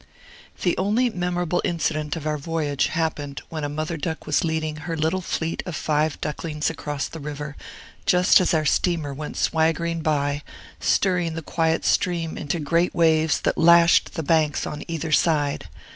The only memorable incident of our voyage happened when a mother duck was leading her little fleet of five ducklings across the river, just as our steamer went swaggering by, stirring the quiet stream into great waves that lashed the banks on either side.